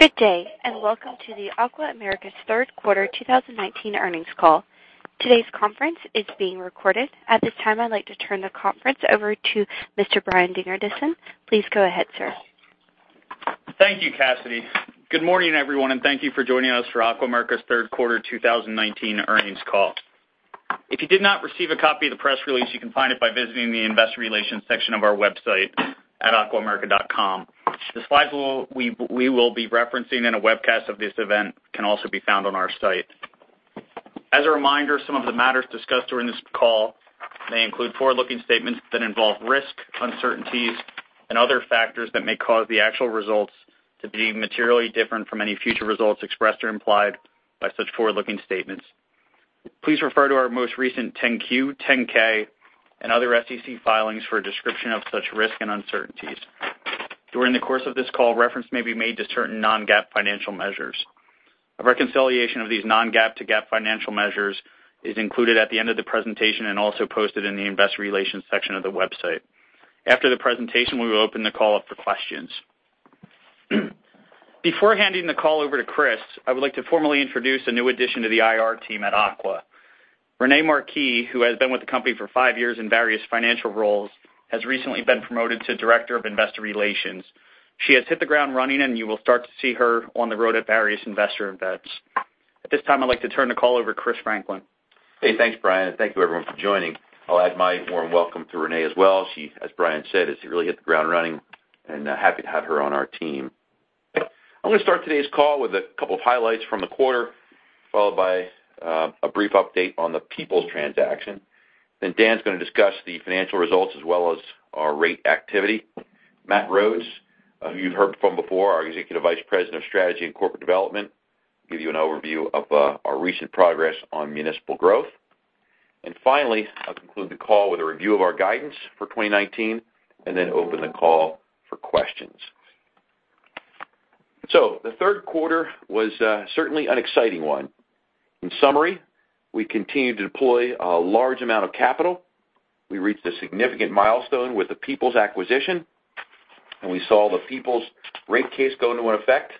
Good day, and welcome to the Aqua America's third quarter 2019 earnings call. Today's conference is being recorded. At this time, I'd like to turn the conference over to Mr. Brian Dingerdissen. Please go ahead, sir. Thank you, Cassidy. Good morning, everyone, and thank you for joining us for Aqua America's third quarter 2019 earnings call. If you did not receive a copy of the press release, you can find it by visiting the investor relations section of our website at aquaamerica.com. The slides we will be referencing in a webcast of this event can also be found on our site. As a reminder, some of the matters discussed during this call may include forward-looking statements that involve risk, uncertainties and other factors that may cause the actual results to be materially different from any future results expressed or implied by such forward-looking statements. Please refer to our most recent 10-Q, 10-K and other SEC filings for a description of such risks and uncertainties. During the course of this call, reference may be made to certain non-GAAP financial measures. A reconciliation of these non-GAAP to GAAP financial measures is included at the end of the presentation and also posted in the investor relations section of the website. After the presentation, we will open the call up for questions. Before handing the call over to Chris, I would like to formally introduce a new addition to the IR team at Aqua. Renee Marquis, who has been with the company for five years in various financial roles, has recently been promoted to Director of Investor Relations. She has hit the ground running, and you will start to see her on the road at various investor events. At this time, I'd like to turn the call over Christopher Franklin. Hey, thanks, Brian. Thank you, everyone, for joining. I'll add my warm welcome to Renee as well. She, as Brian said, has really hit the ground running, and happy to have her on our team. I'm going to start today's call with a couple of highlights from the quarter, followed by a brief update on the Peoples transaction. Dan's going to discuss the financial results as well as our rate activity. Matt Rhodes, who you've heard from before, our Executive Vice President of Strategy and Corporate Development, give you an overview of our recent progress on municipal growth. Finally, I'll conclude the call with a review of our guidance for 2019 and then open the call for questions. The third quarter was certainly an exciting one. In summary, we continued to deploy a large amount of capital. We reached a significant milestone with the Peoples acquisition, and we saw the Peoples rate case go into effect.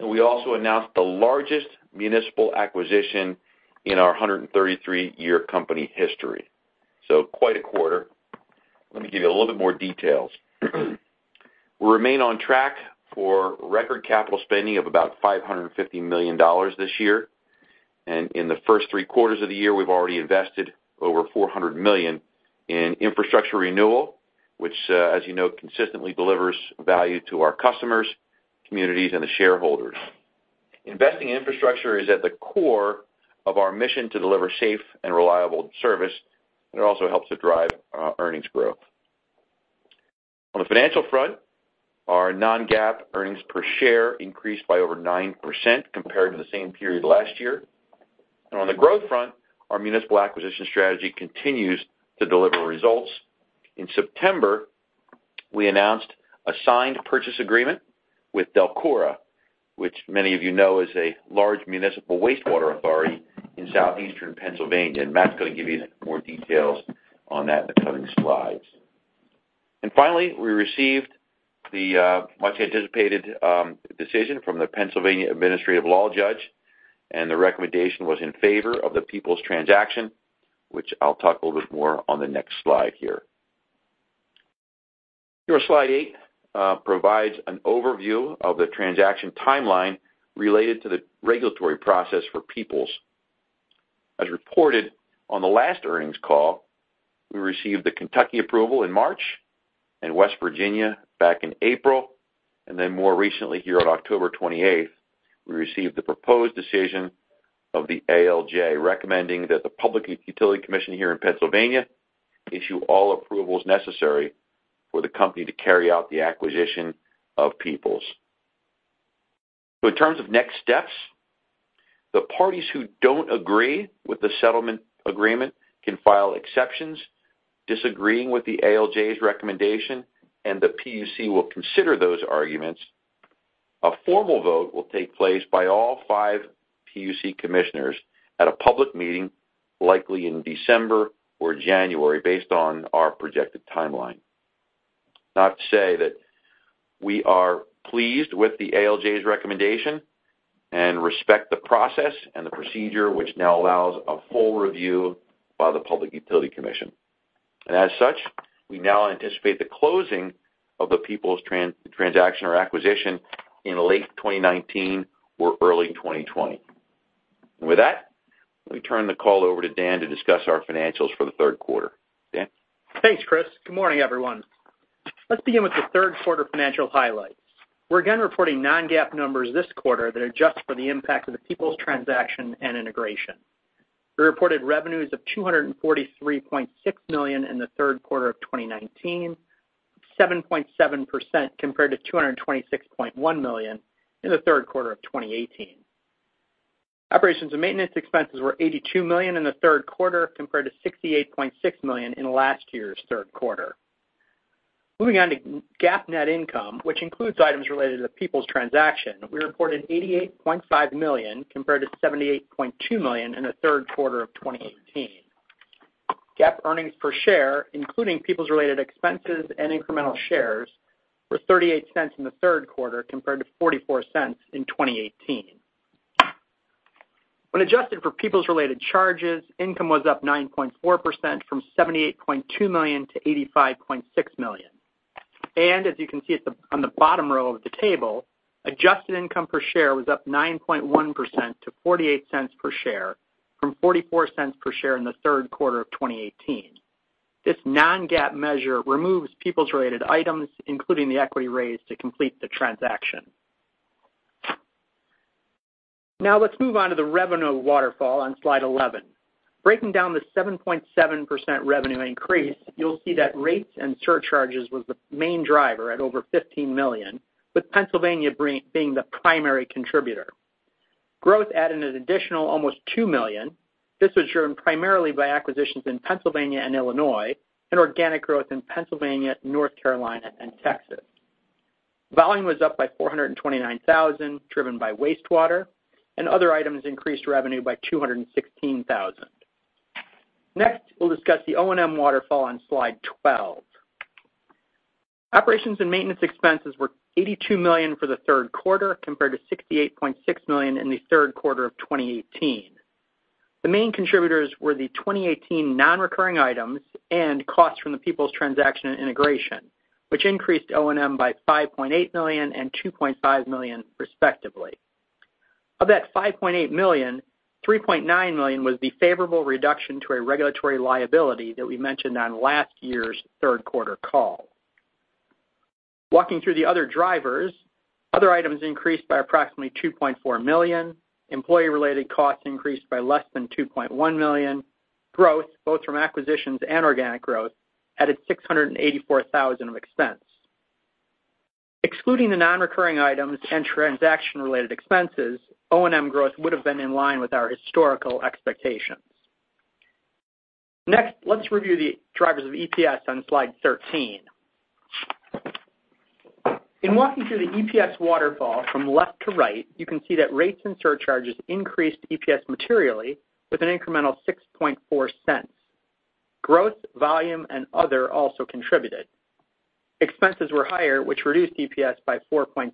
We also announced the largest municipal acquisition in our 133-year company history. Quite a quarter. Let me give you a little bit more details. We remain on track for record capital spending of about $550 million this year. In the first three quarters of the year, we've already invested over $400 million in infrastructure renewal, which, as you know, consistently delivers value to our customers, communities, and the shareholders. Investing in infrastructure is at the core of our mission to deliver safe and reliable service, and it also helps to drive earnings growth. On the financial front, our non-GAAP earnings per share increased by over 9% compared to the same period last year. On the growth front, our municipal acquisition strategy continues to deliver results. In September, we announced a signed purchase agreement with DELCORA, which many of you know is a large municipal wastewater authority in southeastern Pennsylvania. Matt's going to give you more details on that in the coming slides. Finally, we received the much-anticipated decision from the Pennsylvania Administrative Law Judge. The recommendation was in favor of the Peoples transaction, which I'll talk a little bit more on the next slide here. Slide 8 provides an overview of the transaction timeline related to the regulatory process for Peoples. As reported on the last earnings call, we received the Kentucky approval in March, West Virginia back in April. More recently here on October 28th, we received the proposed decision of the ALJ recommending that the Public Utility Commission here in Pennsylvania issue all approvals necessary for the company to carry out the acquisition of Peoples. In terms of next steps, the parties who don't agree with the settlement agreement can file exceptions disagreeing with the ALJ's recommendation, and the PUC will consider those arguments. A formal vote will take place by all five PUC commissioners at a public meeting, likely in December or January, based on our projected timeline. Enough to say that we are pleased with the ALJ's recommendation and respect the process and the procedure, which now allows a full review by the Public Utility Commission. As such, we now anticipate the closing of the Peoples transaction or acquisition in late 2019 or early 2020. With that, let me turn the call over to Dan to discuss our financials for the third quarter. Dan? Thanks, Chris. Good morning, everyone. Let's begin with the third quarter financial highlights. We're again reporting non-GAAP numbers this quarter that adjust for the impact of the Peoples transaction and integration. We reported revenues of $243.6 million in the third quarter of 2019, 7.7% compared to $226.1 million in the third quarter of 2018. Operations and maintenance expenses were $82 million in the third quarter, compared to $68.6 million in last year's third quarter. Moving on to GAAP net income, which includes items related to the Peoples transaction, we reported $88.5 million, compared to $78.2 million in the third quarter of 2018. GAAP earnings per share, including Peoples related expenses and incremental shares, were $0.38 in the third quarter compared to $0.44 in 2018. When adjusted for Peoples related charges, income was up 9.4% from $78.2 million to $85.6 million. As you can see on the bottom row of the table, adjusted income per share was up 9.1% to $0.48 per share from $0.44 per share in the third quarter of 2018. This non-GAAP measure removes Peoples-related items, including the equity raise, to complete the transaction. Let's move on to the revenue waterfall on slide 11. Breaking down the 7.7% revenue increase, you'll see that rates and surcharges was the main driver at over $15 million, with Pennsylvania being the primary contributor. Growth added an additional almost $2 million. This was driven primarily by acquisitions in Pennsylvania and Illinois, and organic growth in Pennsylvania, North Carolina, and Texas. Volume was up by 429,000, driven by wastewater, and other items increased revenue by $216,000. We'll discuss the O&M waterfall on slide 12. Operations and maintenance expenses were $82 million for the third quarter, compared to $68.6 million in the third quarter of 2018. The main contributors were the 2018 non-recurring items and costs from the Peoples transaction and integration, which increased O&M by $5.8 million and $2.5 million respectively. Of that $5.8 million, $3.9 million was the favorable reduction to a regulatory liability that we mentioned on last year's third quarter call. Walking through the other drivers, other items increased by approximately $2.4 million, employee-related costs increased by less than $2.1 million. Growth, both from acquisitions and organic growth, added $684,000 of expense. Excluding the non-recurring items and transaction-related expenses, O&M growth would've been in line with our historical expectations. Let's review the drivers of EPS on slide 13. In walking through the EPS waterfall from left to right, you can see that rates and surcharges increased EPS materially with an incremental $0.064. Growth, volume, and other also contributed. Expenses were higher, which reduced EPS by $0.046.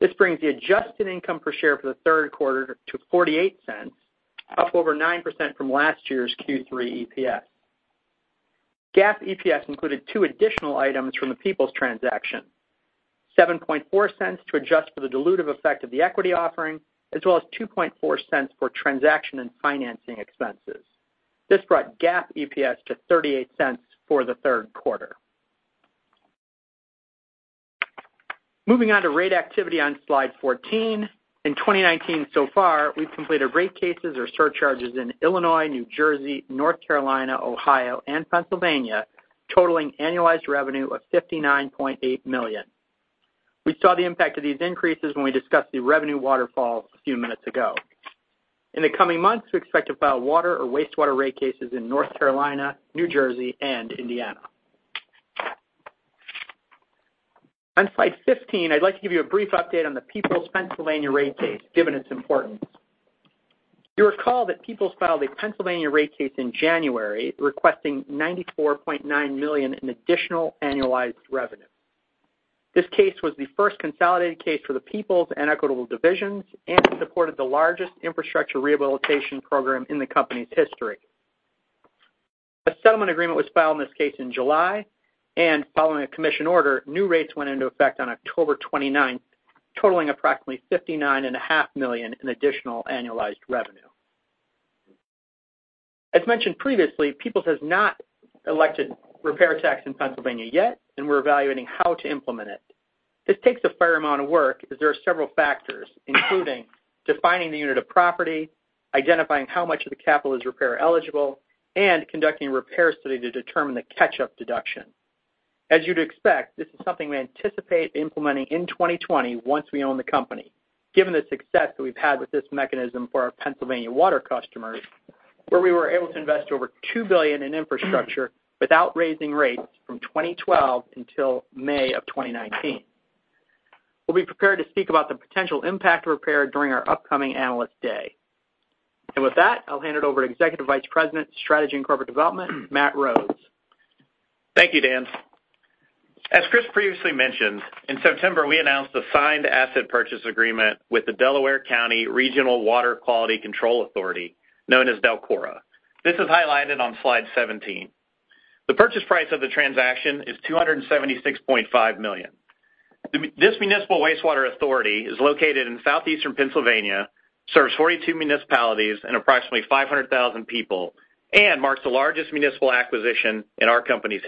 This brings the adjusted income per share for the third quarter to $0.48, up over 9% from last year's Q3 EPS. GAAP EPS included two additional items from the Peoples transaction: $0.074 to adjust for the dilutive effect of the equity offering, as well as $0.024 for transaction and financing expenses. This brought GAAP EPS to $0.38 for the third quarter. Moving on to rate activity on slide 14, in 2019 so far, we've completed rate cases or surcharges in Illinois, New Jersey, North Carolina, Ohio, and Pennsylvania, totaling annualized revenue of $59.8 million. We saw the impact of these increases when we discussed the revenue waterfall a few minutes ago. In the coming months, we expect to file water or wastewater rate cases in North Carolina, New Jersey, and Indiana. On slide 15, I'd like to give you a brief update on the Peoples Pennsylvania rate case, given its importance. You'll recall that Peoples filed a Pennsylvania rate case in January, requesting $94.9 million in additional annualized revenue. This case was the first consolidated case for the Peoples and Equitable divisions and supported the largest infrastructure rehabilitation program in the company's history. A settlement agreement was filed in this case in July, and following a commission order, new rates went into effect on October 29th, totaling approximately $59.5 million in additional annualized revenue. As mentioned previously, Peoples has not elected repair tax in Pennsylvania yet, and we're evaluating how to implement it. This takes a fair amount of work as there are several factors, including defining the unit of property, identifying how much of the capital is repair eligible, and conducting a repair study to determine the catch-up deduction. As you'd expect, this is something we anticipate implementing in 2020 once we own the company, given the success that we've had with this mechanism for our Pennsylvania water customers, where we were able to invest over $2 billion in infrastructure without raising rates from 2012 until May of 2019. We'll be prepared to speak about the potential impact of repair during our upcoming Analyst Day. With that, I'll hand it over to Executive Vice President, Strategy and Corporate Development, Matt Rhodes. Thank you, Dan. As Chris previously mentioned, in September, we announced the signed asset purchase agreement with the Delaware County Regional Water Quality Control Authority, known as DELCORA. This is highlighted on slide 17. The purchase price of the transaction is $276.5 million. This municipal wastewater authority is located in southeastern Pennsylvania, serves 42 municipalities and approximately 500,000 people, and marks the largest municipal acquisition in our company's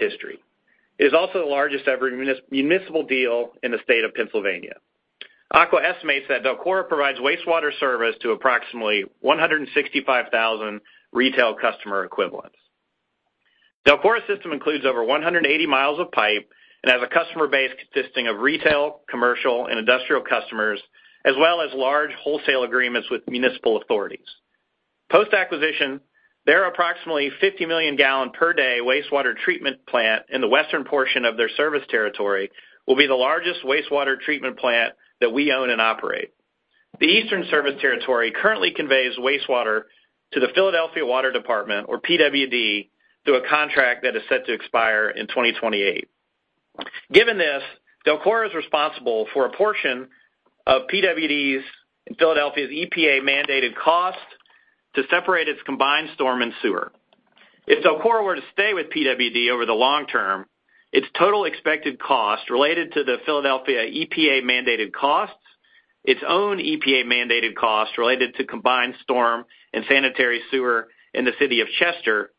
history. It is also the largest-ever municipal deal in the state of Pennsylvania. Aqua estimates that DELCORA provides wastewater service to approximately 165,000 retail customer equivalents. DELCORA's system includes over 180 miles of pipe and has a customer base consisting of retail, commercial, and industrial customers, as well as large wholesale agreements with municipal authorities. Post-acquisition, their approximately 50 million gallon per day wastewater treatment plant in the western portion of their service territory will be the largest wastewater treatment plant that we own and operate. The eastern service territory currently conveys wastewater to the Philadelphia Water Department, or PWD, through a contract that is set to expire in 2028. Given this, DELCORA is responsible for a portion of PWD's and Philadelphia's EPA-mandated cost to separate its combined storm and sewer. If DELCORA were to stay with PWD over the long term, its total expected cost related to the Philadelphia EPA-mandated costs, its own EPA-mandated costs related to combined storm and sanitary sewer in the city of Chester,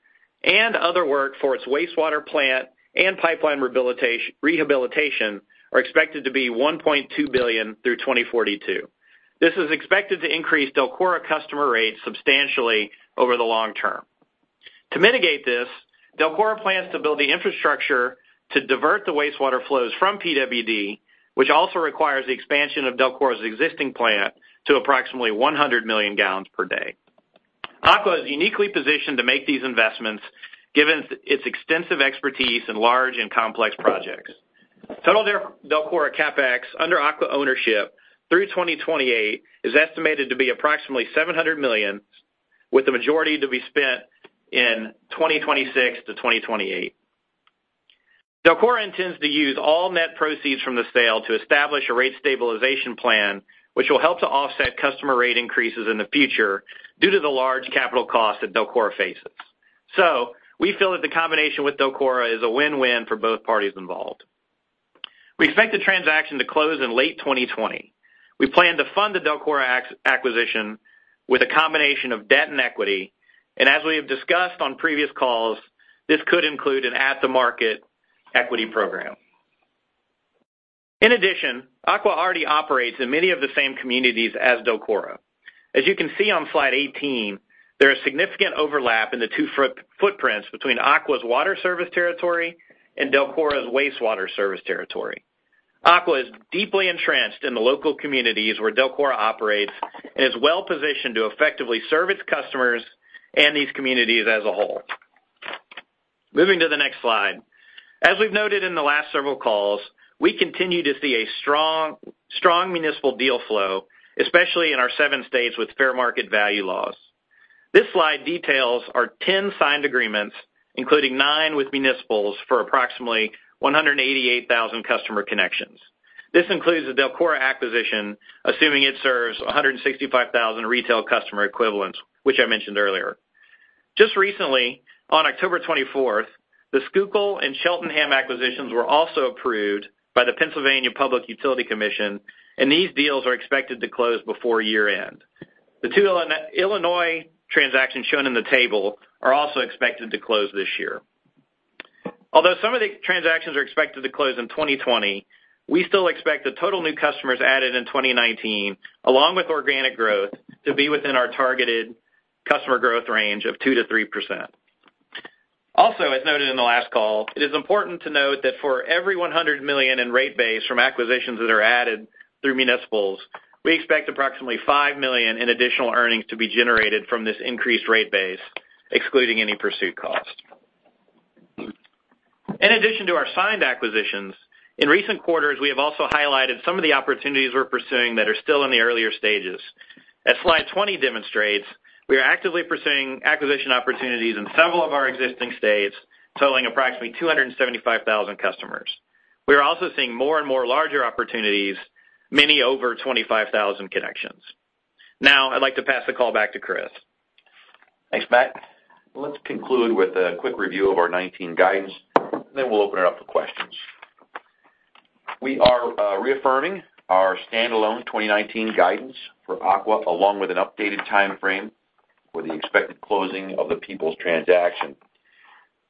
and other work for its wastewater plant and pipeline rehabilitation are expected to be $1.2 billion through 2042. This is expected to increase DELCORA customer rates substantially over the long term. To mitigate this, DELCORA plans to build the infrastructure to divert the wastewater flows from PWD, which also requires the expansion of DELCORA's existing plant to approximately 100 million gallons per day. Aqua is uniquely positioned to make these investments given its extensive expertise in large and complex projects. Total DELCORA CapEx under Aqua ownership through 2028 is estimated to be approximately $700 million, with the majority to be spent in 2026 to 2028. DELCORA intends to use all net proceeds from the sale to establish a rate stabilization plan, which will help to offset customer rate increases in the future due to the large capital cost that DELCORA faces. We feel that the combination with DELCORA is a win-win for both parties involved. We expect the transaction to close in late 2020. We plan to fund the DELCORA acquisition with a combination of debt and equity. As we have discussed on previous calls, this could include an at-the-market equity program. In addition, Aqua already operates in many of the same communities as DELCORA. As you can see on slide 18, there is significant overlap in the two footprints between Aqua's water service territory and DELCORA's wastewater service territory. Aqua is deeply entrenched in the local communities where DELCORA operates and is well-positioned to effectively serve its customers and these communities as a whole. Moving to the next slide. As we've noted in the last several calls, we continue to see a strong municipal deal flow, especially in our seven states with fair market value laws. This slide details our 10 signed agreements, including nine with municipals for approximately 188,000 customer connections. This includes the DELCORA acquisition, assuming it serves 165,000 retail customer equivalents, which I mentioned earlier. Just recently, on October 24th, the Schuylkill and Cheltenham acquisitions were also approved by the Pennsylvania Public Utility Commission. These deals are expected to close before year-end. The two Illinois transactions shown in the table are also expected to close this year. Although some of the transactions are expected to close in 2020, we still expect the total new customers added in 2019, along with organic growth, to be within our targeted customer growth range of 2%-3%. As noted in the last call, it is important to note that for every $100 million in rate base from acquisitions that are added through municipals, we expect approximately $5 million in additional earnings to be generated from this increased rate base, excluding any pursuit cost. In addition to our signed acquisitions, in recent quarters, we have also highlighted some of the opportunities we're pursuing that are still in the earlier stages. As slide 20 demonstrates, we are actively pursuing acquisition opportunities in several of our existing states, totaling approximately 275,000 customers. We are also seeing more and more larger opportunities, many over 25,000 connections. I'd like to pass the call back to Chris. Thanks, Matt. Let's conclude with a quick review of our 2019 guidance, we'll open it up for questions. We are reaffirming our standalone 2019 guidance for Aqua, along with an updated timeframe for the expected closing of the Peoples transaction.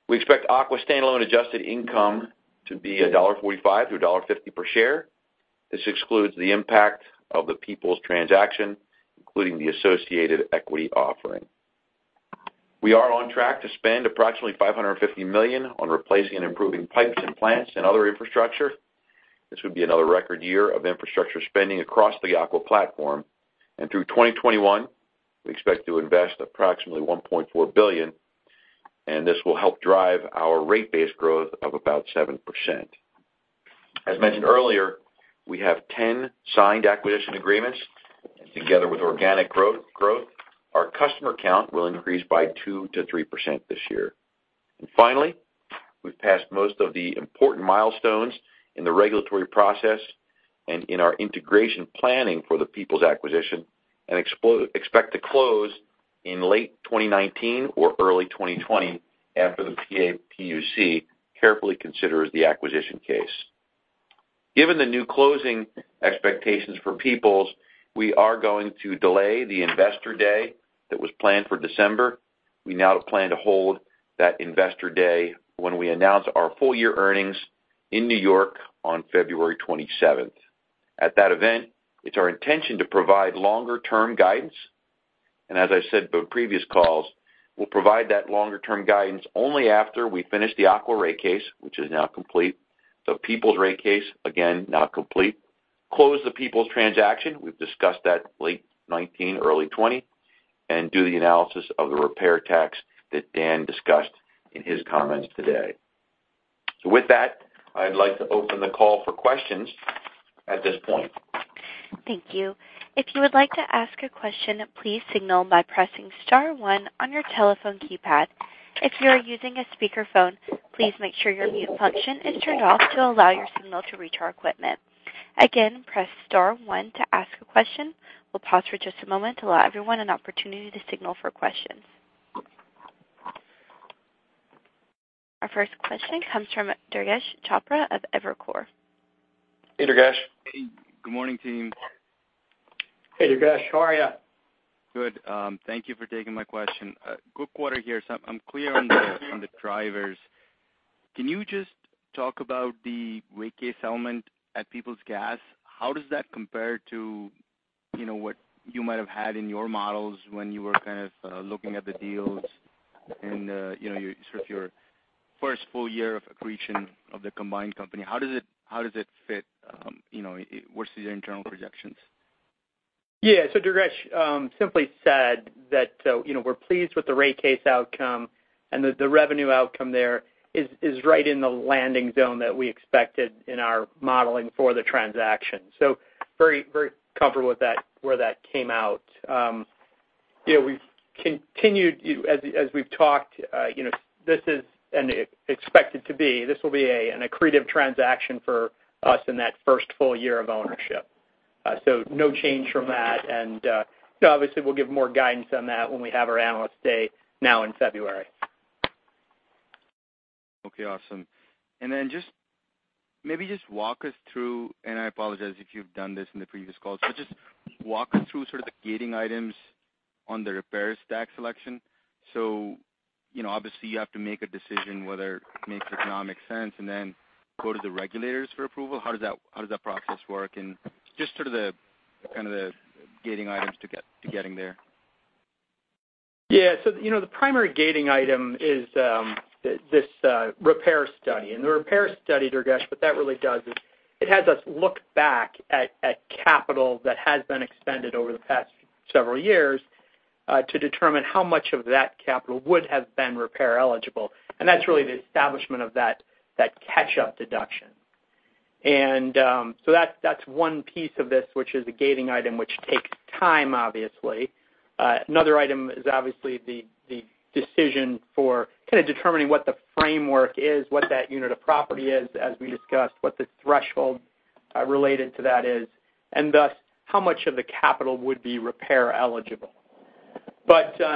We expect Aqua standalone adjusted income to be $1.45-$1.50 per share. This excludes the impact of the Peoples transaction, including the associated equity offering. We are on track to spend approximately $550 million on replacing and improving pipes in plants and other infrastructure. This would be another record year of infrastructure spending across the Aqua platform. Through 2021, we expect to invest approximately $1.4 billion, this will help drive our rate base growth of about 7%. As mentioned earlier, we have 10 signed acquisition agreements, together with organic growth, our customer count will increase by 2%-3% this year. Finally, we've passed most of the important milestones in the regulatory process and in our integration planning for the Peoples acquisition and expect to close in late 2019 or early 2020 after the PUC carefully considers the acquisition case. Given the new closing expectations for Peoples, we are going to delay the Investor Day that was planned for December. We now plan to hold that Investor Day when we announce our full-year earnings in New York on February 27th. At that event, it's our intention to provide longer-term guidance. As I said in previous calls, we'll provide that longer-term guidance only after we finish the Aqua rate case, which is now complete. The Peoples rate case, again, now complete. Close the Peoples transaction, we've discussed that late 2019, early 2020, and do the analysis of the repair tax that Dan discussed in his comments today. With that, I'd like to open the call for questions at this point. Thank you. If you would like to ask a question, please signal by pressing star one on your telephone keypad. If you are using a speakerphone, please make sure your mute function is turned off to allow your signal to reach our equipment. Again, press star one to ask a question. We will pause for just a moment to allow everyone an opportunity to signal for questions. Our first question comes from Durgesh Chopra of Evercore. Hey, Durgesh. Good morning, team. Hey, Durgesh. How are you? Good. Thank you for taking my question. Good quarter here. I'm clear on the drivers. Can you just talk about the rate case element at Peoples Natural Gas? How does that compare to what you might have had in your models when you were kind of looking at the deals and your sort of your first full year of accretion of the combined company? How does it fit versus your internal projections? Yeah. Durgesh, simply said that we're pleased with the rate case outcome, and the revenue outcome there is right in the landing zone that we expected in our modeling for the transaction. Very comfortable with where that came out. We've continued as we've talked, this will be an accretive transaction for us in that first full year of ownership. No change from that. Obviously, we'll give more guidance on that when we have our Analyst Day now in February. Okay, awesome. Then maybe just walk us through, and I apologize if you've done this in the previous calls, but just walk us through sort of the gating items on the repairs tax selection. Obviously you have to make a decision whether it makes economic sense and then go to the regulators for approval. How does that process work and just sort of the kind of the gating items to getting there? The primary gating item is this repair study. The repair study, Durgesh, what that really does is it has us look back at capital that has been expended over the past several years, to determine how much of that capital would have been repair eligible. That's one piece of this, which is a gating item, which takes time, obviously. Another item is obviously the decision for kind of determining what the framework is, what that unit of property is, as we discussed, what the threshold related to that is, and thus how much of the capital would be repair eligible.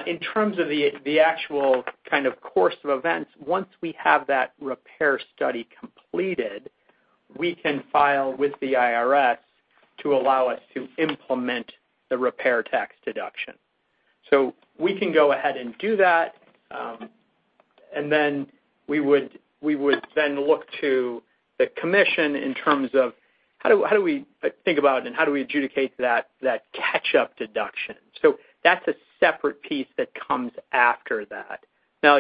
In terms of the actual kind of course of events, once we have that repair study completed, we can file with the IRS to allow us to implement the repair tax deduction. We can go ahead and do that. Then we would then look to the commission in terms of how do we think about and how do we adjudicate that catch-up deduction. That's a separate piece that comes after that.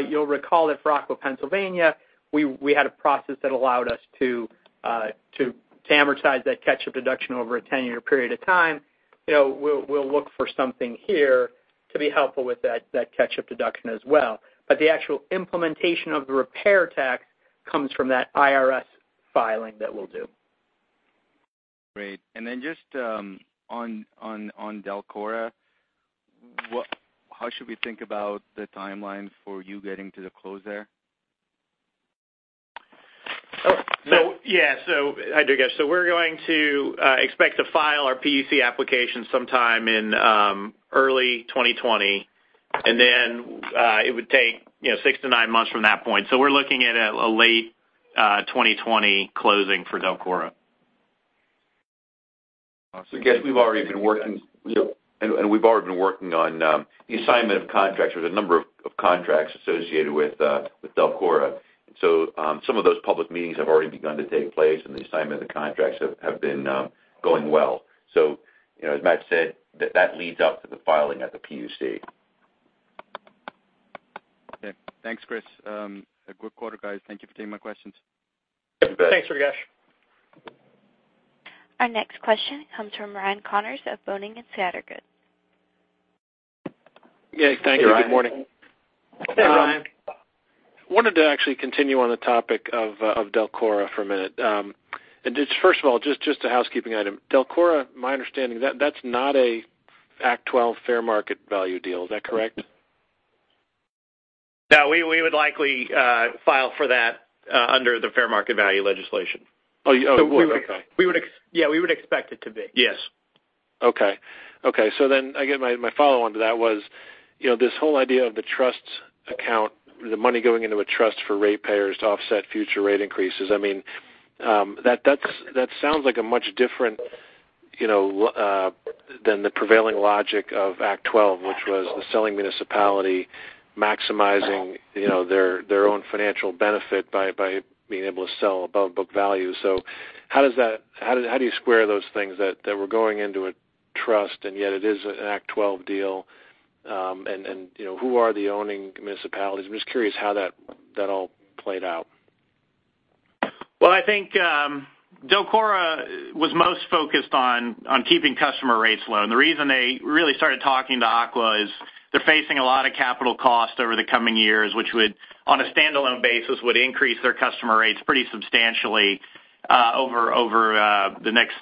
You'll recall at Aqua, Pennsylvania, we had a process that allowed us to amortize that catch-up deduction over a 10-year period of time. We'll look for something here to be helpful with that catch-up deduction as well. The actual implementation of the repair tax comes from that IRS filing that we'll do. Great. Then just on DELCORA, how should we think about the timeline for you getting to the close there? Yeah. Hi, Durgesh. We're going to expect to file our PUC application sometime in early 2020, and then it would take six to nine months from that point. We're looking at a late 2020 closing for DELCORA. Durgesh, we've already been working on the assignment of contracts. There's a number of contracts associated with DELCORA. Some of those public meetings have already begun to take place, and the assignment of contracts have been going well. As Matt said, that leads up to the filing at the PUC. Okay, thanks, Chris. A good quarter, guys. Thank you for taking my questions. You bet. Thanks, Durgesh. Our next question comes from Ryan Connors of Boenning & Scattergood. Yeah, thank you. Good morning. Hey, Ryan. Hey, Ryan. I wanted to actually continue on the topic of DELCORA for a minute. Just first of all, just a housekeeping item. DELCORA, my understanding, that's not a Act 12 fair market value deal. Is that correct? No, we would likely file for that under the fair market value legislation. Oh, you would. Okay. Yeah, we would expect it to be. Yes. Okay. Again, my follow-on to that was, this whole idea of the trust account, the money going into a trust for ratepayers to offset future rate increases, that sounds like a much different than the prevailing logic of Act 12, which was the selling municipality maximizing their own financial benefit by being able to sell above book value. How do you square those things that we're going into a trust, and yet it is an Act 12 deal? Who are the owning municipalities? I am just curious how that all played out. I think DELCORA was most focused on keeping customer rates low. The reason they really started talking to Aqua is they're facing a lot of capital costs over the coming years, which would, on a standalone basis, increase their customer rates pretty substantially over the next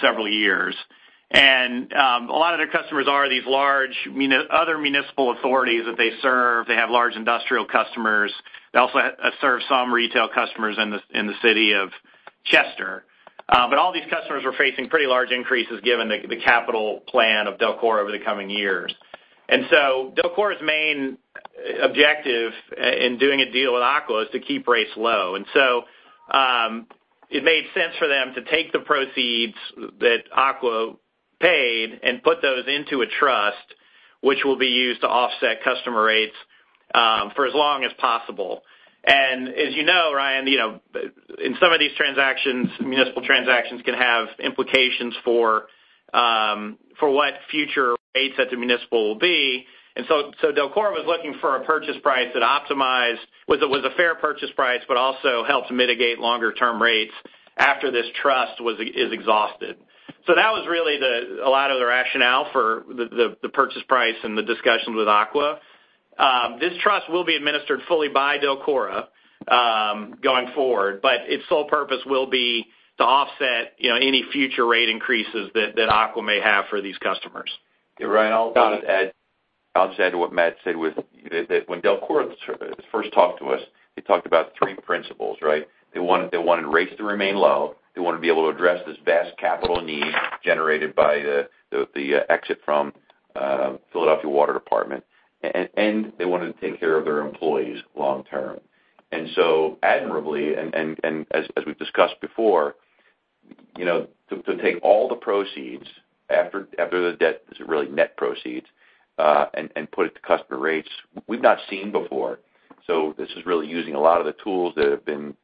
several years. A lot of their customers are these large, other municipal authorities that they serve. They have large industrial customers. They also serve some retail customers in the city of Chester. All these customers were facing pretty large increases given the capital plan of DELCORA over the coming years. DELCORA's main objective in doing a deal with Aqua is to keep rates low. It made sense for them to take the proceeds that Aqua paid and put those into a trust, which will be used to offset customer rates for as long as possible. As you know, Ryan, in some of these transactions, municipal transactions can have implications for what future rates at the municipal will be. DELCORA was looking for a purchase price that was a fair purchase price, but also helped mitigate longer-term rates after this trust is exhausted. That was really a lot of the rationale for the purchase price and the discussions with Aqua. This trust will be administered fully by DELCORA, going forward, but its sole purpose will be to offset any future rate increases that Aqua may have for these customers. Ryan, I'll just add to what Matt said with that when DELCORA first talked to us, they talked about three principles, right? They wanted rates to remain low. They wanted to be able to address this vast capital need generated by the exit from Philadelphia Water Department, and they wanted to take care of their employees long term. So admirably, and as we've discussed before, to take all the proceeds after the debt is really net proceeds, and put it to customer rates we've not seen before. This is really using a lot of the tools that have been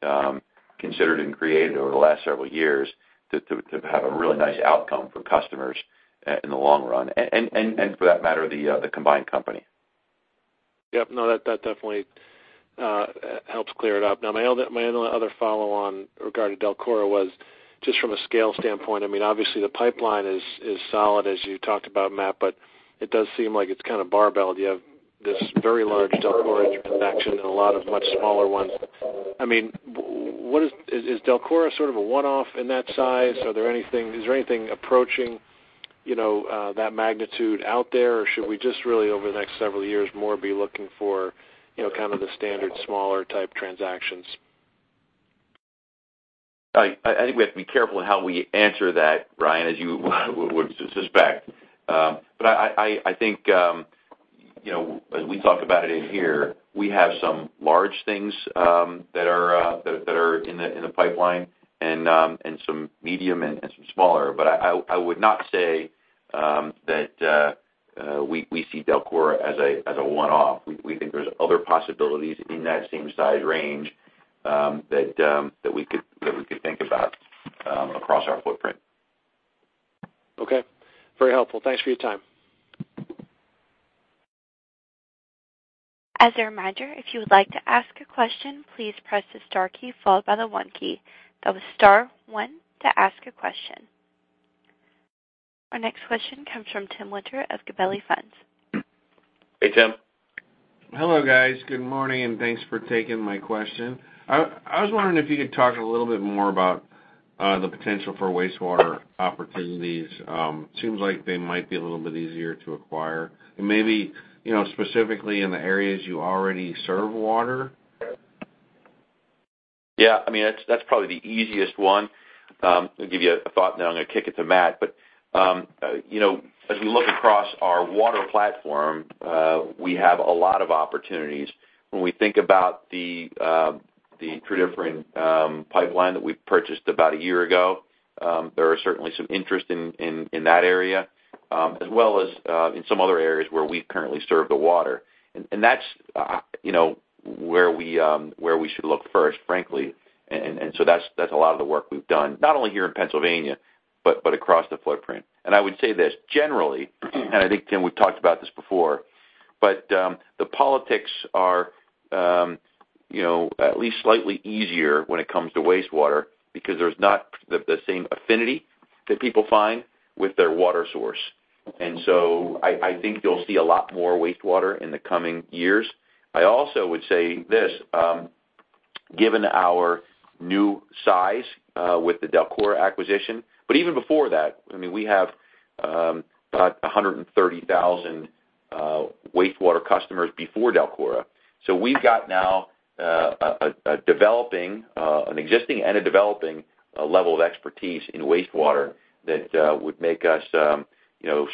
considered and created over the last several years to have a really nice outcome for customers in the long run and for that matter, the combined company. Yep. No, that definitely helps clear it up. Now, my only other follow-on regarding DELCORA was just from a scale standpoint. Obviously, the pipeline is solid, as you talked about, Matt, but it does seem like it's barbelled. You have this very large DELCORA transaction and a lot of much smaller ones. Is DELCORA sort of a one-off in that size? Is there anything approaching that magnitude out there, or should we just really, over the next several years more be looking for the standard smaller type transactions? I think we have to be careful in how we answer that, Ryan, as you would suspect. I think, as we talk about it in here, we have some large things that are in the pipeline and some medium and some smaller. I would not say that we see DELCORA as a one-off. We think there's other possibilities in that same size range that we could think about across our footprint. Okay. Very helpful. Thanks for your time. As a reminder, if you would like to ask a question, please press the star key followed by the one key. That was star one to ask a question. Our next question comes from Timothy Winter of Gabelli Funds. Hey, Tim. Hello, guys. Good morning. Thanks for taking my question. I was wondering if you could talk a little bit more about the potential for wastewater opportunities. Seems like they might be a little bit easier to acquire and maybe specifically in the areas you already serve water. That's probably the easiest one. I'll give you a thought, then I'm going to kick it to Matt. As we look across our water platform, we have a lot of opportunities. When we think about the Tredyffrin pipeline that we purchased about a year ago, there is certainly some interest in that area, as well as in some other areas where we currently serve the water. That's where we should look first, frankly. That's a lot of the work we've done, not only here in Pennsylvania, but across the footprint. I would say this, generally, I think, Tim, we've talked about this before, the politics are at least slightly easier when it comes to wastewater because there's not the same affinity that people find with their water source. I think you'll see a lot more wastewater in the coming years. I also would say this, given our new size with the DELCORA acquisition, but even before that, we have about 130,000 wastewater customers before DELCORA. We've got now an existing and a developing level of expertise in wastewater that would make us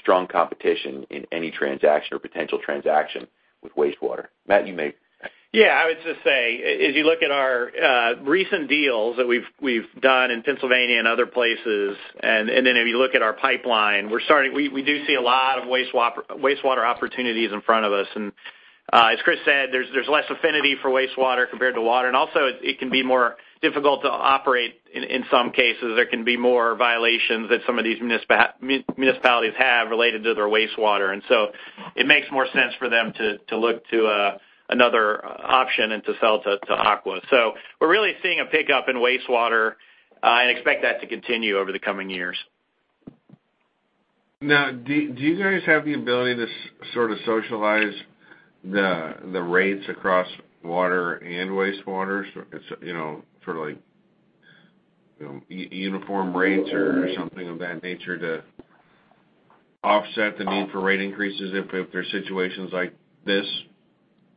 strong competition in any transaction or potential transaction with wastewater. Matt, you may. Yeah. I would just say, as you look at our recent deals that we've done in Pennsylvania and other places, if you look at our pipeline, we do see a lot of wastewater opportunities in front of us. As Chris said, there's less affinity for wastewater compared to water, and also it can be more difficult to operate in some cases. There can be more violations that some of these municipalities have related to their wastewater, it makes more sense for them to look to another option and to sell to Aqua. We're really seeing a pickup in wastewater and expect that to continue over the coming years. Do you guys have the ability to sort of socialize the rates across water and wastewater? Sort of like uniform rates or something of that nature to offset the need for rate increases if there's situations like this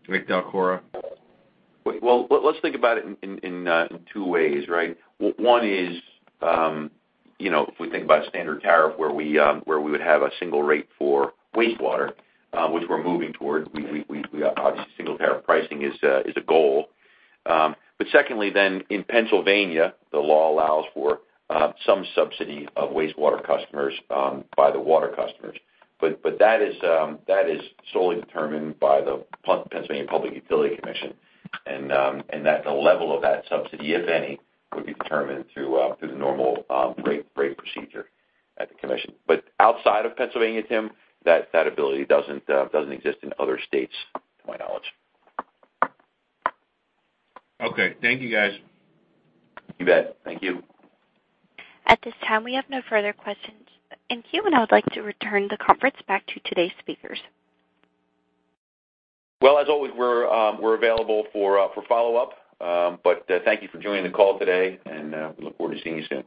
with DELCORA? Let's think about it in two ways, right? One is if we think about standard tariff, where we would have a single rate for wastewater, which we're moving toward. Obviously, single-tariff pricing is a goal. Secondly then, in Pennsylvania, the law allows for some subsidy of wastewater customers by the water customers. That is solely determined by the Pennsylvania Public Utility Commission, and the level of that subsidy, if any, would be determined through the normal rate procedure at the commission. Outside of Pennsylvania, Tim, that ability doesn't exist in other states, to my knowledge. Okay. Thank you, guys. You bet. Thank you. At this time, we have no further questions in queue, and I would like to return the conference back to today's speakers. Well, as always, we're available for follow-up. Thank you for joining the call today, and we look forward to seeing you soon.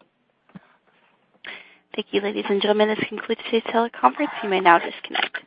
Thank you, ladies and gentlemen. This concludes today's teleconference. You may now disconnect.